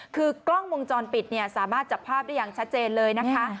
คือกล้องวงจรปิดเนี่ยสามารถจับภาพได้อย่างชัดเจนเลยนะคะ